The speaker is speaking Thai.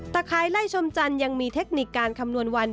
ตะไคร้ไล่ชมจัญยังมีเทคนิคการคำนวณวัน